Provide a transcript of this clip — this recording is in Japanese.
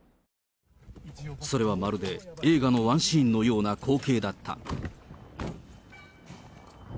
それはまるで映画のワンシーンのような光景だった。